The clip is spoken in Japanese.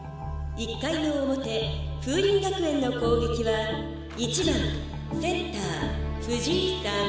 １回の表風林学園の攻撃は１番センター藤井さん」。